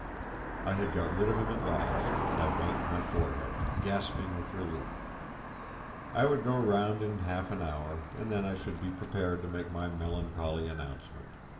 I had got rid of him at last, and I wiped my forehead, gasping with relief. I would go round in half an hour, and then I should be prepared to make my melancholy announcement.